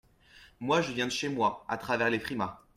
Moi, je viens de chez moi, à travers les frimas.